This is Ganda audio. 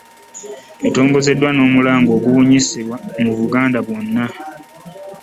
Etongozeddwa n'omulanga okugibunyisa mu Buganda bwonna.